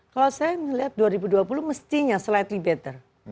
kalau saya melihat dua ribu dua puluh mestinya slightly better